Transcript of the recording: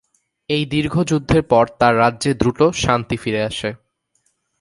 এই দীর্ঘ যুদ্ধের পর তার রাজ্যে দ্রুত শান্তি ফিরে আসে।